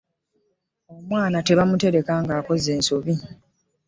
Omwana tebamutereka ng'akoze ensobi.